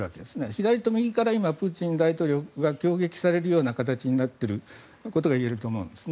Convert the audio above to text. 左と右から今、プーチン大統領が挟撃されるような形になっているそのようにいえると思います。